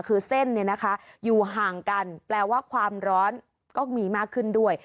คือเส้นเนี่ยนะคะอยู่ห่างกันแปลว่าความร้อนก็มีมากขึ้นด้วย